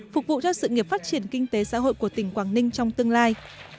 phục vụ cho sự nghiệp phát triển kinh tế xã hội của tỉnh quảng ninh trong tương lai